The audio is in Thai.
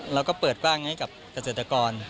เราก็เปิดกว้างให้กับเกษตรกร